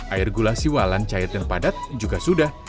air gula siwalan cair dan padat juga sudah